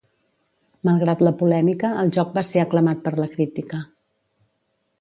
Malgrat la polèmica, el joc va ser aclamat per la crítica.